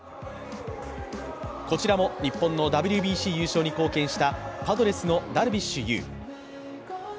こちらも日本のＷＢＣ優勝に貢献したパドレスのダルビッシュ有。